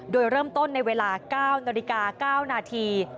โดยเริ่มต้นในเวลา๙นาฬิกา๙นาที